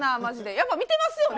やっぱ見てますよね？